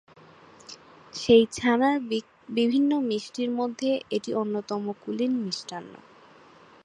সেই ছানার বিভিন্ন মিষ্টির মধ্যে এটি অন্যতম কুলীন মিষ্টান্ন।